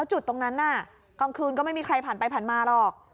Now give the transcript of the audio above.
จุดตรงนั้นน่ะกลางคืนก็ไม่มีใครผ่านไปผ่านมาหรอก